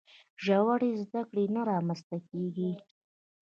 ژورې زده کړې نه رامنځته کیږي.